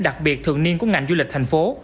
đặc biệt thường niên của ngành du lịch thành phố